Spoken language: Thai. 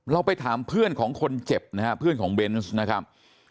ไปถามเพื่อนของคนเจ็บนะฮะเพื่อนของเบนส์นะครับ